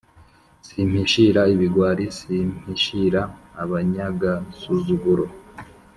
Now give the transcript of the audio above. Simpishira ibigwari, simpishira abanyagasuzuguro,